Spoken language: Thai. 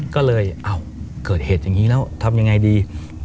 ก็เลยเกิดเหตุอย่างนี้แล้วทำยังไงดี